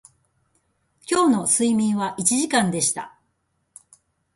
今日の睡眠は一時間でした